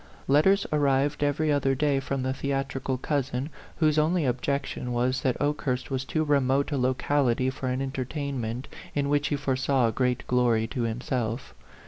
Letters arrived every other day from the theatrical cousin, whose only objection was that Okehurst was too remote a locality for an entertain ment in which he foresaw great glory to himself.